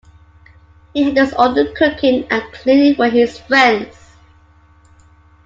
He handles all the cooking and cleaning for his friends.